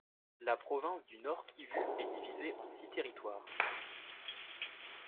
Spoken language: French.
La province du Nord-Kivu est divisée en six territoires.